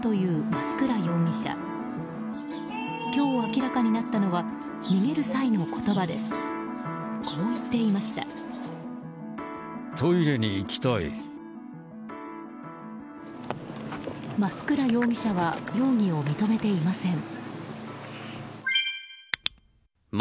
増倉容疑者は容疑を認めていません。